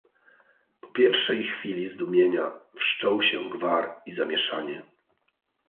"Po pierwszej chwili zdumienia wszczął się gwar i zamieszanie."